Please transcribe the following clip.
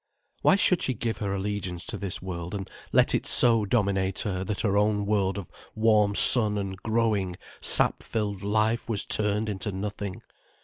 Why should she give her allegiance to this world, and let it so dominate her, that her own world of warm sun and growing, sap filled life was turned into nothing?